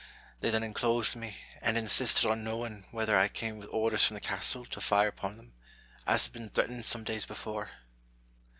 They then enclosed me, and insisted on knowing whether I came with orders from the castle to fire upon them, as had been threatened some days before.